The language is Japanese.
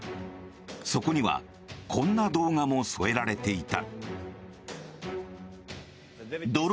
そこにはこんな動画も添えられていた。